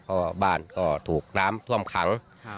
เพราะว่าบ้านก็ถูกน้ำท่วมขัง